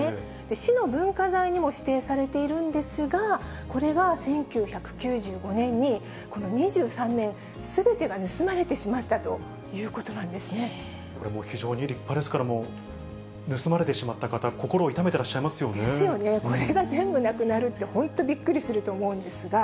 市の文化財にも指定されているんですが、これが１９９５年に、この２３面すべてが盗まれてしまったという非常に立派ですから、盗まれてしまった方、ですよね、これが全部なくなるって、ほんとびっくりすると思うんですが。